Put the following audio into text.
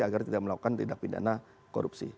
agar tidak melakukan tindak pidana korupsi